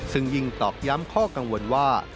ซึ่งยิ่งตอกย้ำข้อกังวลว่า